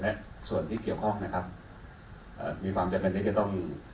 และส่วนที่เกี่ยวข้องมีความที่จะเป็นแรกที่ต้อง